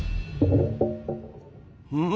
うん？